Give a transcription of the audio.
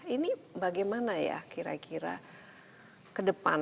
ini bagaimana ya kira kira ke depan